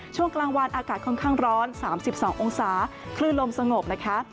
ช่วงกลางวันอากาศค่อนข้างร้อน๓๒องศาคลื่นลมสงบนะคะ